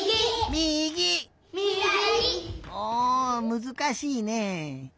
むずかしいね。